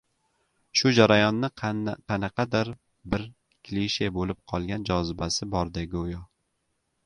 Shu jarayonni qanaqadir bir klishe boʻlib qolgan jozibasi borday goʻyo...